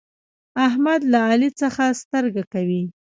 احمد له علي څخه سترګه کوي.